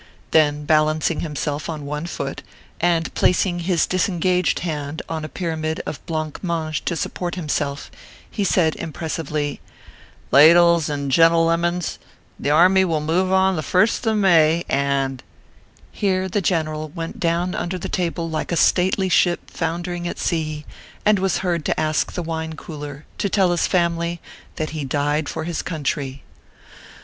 Then balancing himself on one foot, and placing his disengaged hand on a pyramid of Wane mange to support himself, he said impress ively :" Ladles, and gentle lemons, the army will move on the first of May, and " Here the general went down under the table like a stately ship foundering at sea, and was heard to ask the wine cooler to tell his family that he died for his country.